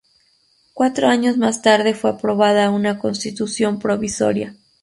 Cuatro años más tarde fue aprobada una constitución provisoria.